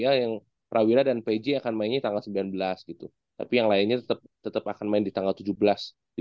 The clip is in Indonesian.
hai j akan mainnya tanggal sembilan belas gitu tapi yang lainnya tetap tetap akan main di tanggal tujuh belas di